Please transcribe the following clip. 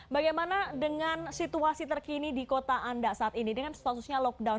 bagaimana dengan situasi terkini di kota anda saat ini dengan statusnya lockdown